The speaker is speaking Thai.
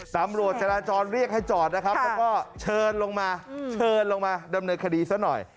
ตำรวจจราจรเรียกให้จอดนะครับแล้วก็เชิญลงมาเชิญลงมาดำเนินคดีซะหน่อย